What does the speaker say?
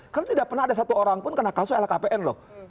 karena tidak pernah ada satu orang pun terkena kasus lhkpn